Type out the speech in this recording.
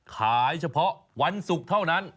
ขายเฉพาะวันศุกร์เท่านั้น